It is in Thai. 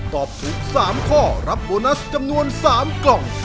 ตอบถูก๓ข้อรับโบนัสจำนวน๓กล่อง